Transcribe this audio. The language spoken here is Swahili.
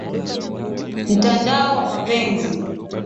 mtandao wa mapenzi